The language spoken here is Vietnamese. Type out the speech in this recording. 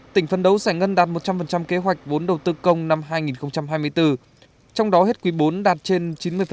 tỉnh phân đấu giải ngân đạt một trăm linh kế hoạch vốn đầu tư công năm hai nghìn hai mươi bốn trong đó hết quý bốn đạt trên chín mươi